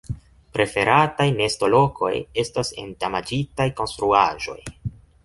Preferataj nestolokoj estas en damaĝitaj konstruaĵoj.